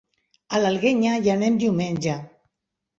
A l'Alguenya hi anem diumenge.